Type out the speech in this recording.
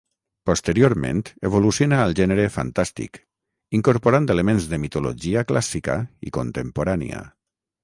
Posteriorment evoluciona al gènere fantàstic, incorporant elements de mitologia clàssica i contemporània.